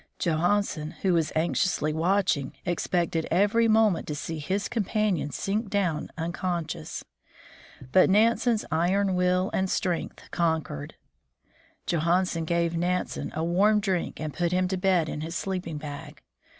Johan sen, who was anxiously watching, expected every moment to see his companion sink down unconscious. But Nan sen's iron will and strength conquered. Johansen gave 13° THE FROZEN NORTH Nansen a warm drink, and put him to bed in his sleeping bag.